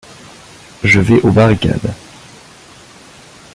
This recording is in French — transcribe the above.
Je vais aux barricades.